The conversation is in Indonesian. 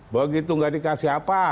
begitu enggak dikasih apa